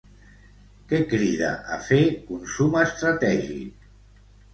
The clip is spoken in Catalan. Què crida a fer 'Consum Estratègic'?